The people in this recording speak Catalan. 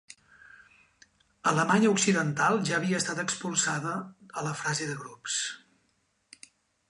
Alemanya Occidental ja havia estat expulsada a la fase de grups.